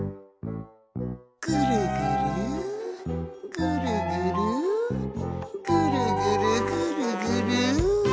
「ぐるぐるぐるぐるぐるぐるぐるぐる」